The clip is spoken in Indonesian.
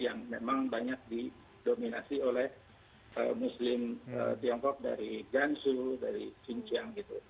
yang memang banyak didominasi oleh muslim tiongkok dari ganzhou dari xinjiang gitu